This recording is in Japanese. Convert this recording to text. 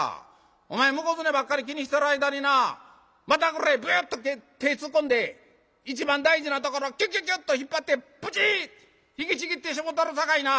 お前向こうずねばっかり気にしてる間にな股ぐらへビュっと手ぇ突っ込んで一番大事なところキュキュキュっと引っ張ってブチッ引きちぎってしもたるさかいな！」。